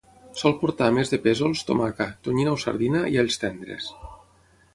Sol portar a més de pèsols tomaca, tonyina o sardina i alls tendres.